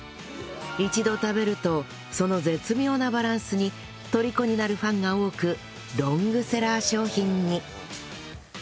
一度食べるとその絶妙なバランスにとりこになるファンが多くロングセラー商品に